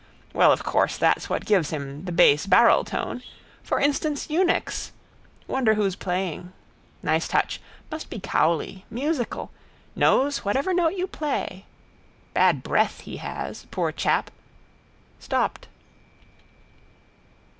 Well, of course that's what gives him the base barreltone. For instance eunuchs. Wonder who's playing. Nice touch. Must be Cowley. Musical. Knows whatever note you play. Bad breath he has, poor chap. Stopped.